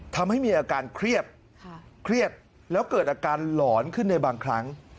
ทำให้มีอาการเครียดเครียดแล้วเกิดอาการหลอนขึ้นในบางครั้ง